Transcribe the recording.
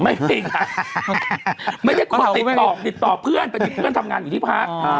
ไม่มีค่ะไม่ใช่คนติดต่อติดต่อเพื่อนไปที่เพื่อนทำงานอยู่ที่พัก